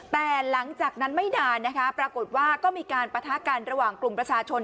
แต่หลังจากนั้นไม่นานนะคะปรากฏว่าก็มีการปะทะกันระหว่างกลุ่มประชาชน